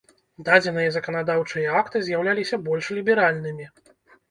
Дадзеныя заканадаўчыя акты з'яўляліся больш ліберальнымі.